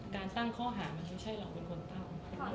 การตั้งข้อหามันไม่ใช่เราเป็นคนตั้ง